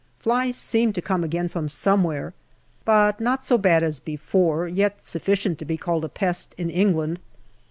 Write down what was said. Flies seem to come again from somewhere, but not so bad as before, yet sufficient to be called a pest in England.